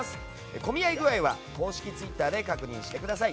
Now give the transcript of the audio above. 混み合い具合は公式ツイッターで確認してください。